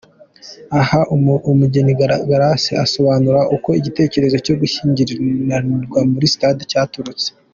Aha umugeni Glauce arasobanura uko igitekerezo cyo gushyingiranirwa mu stade cyaturutse.